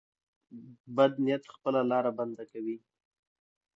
بد نیت خپله لار بنده کوي.